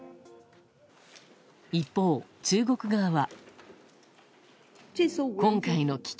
一方、中国側は。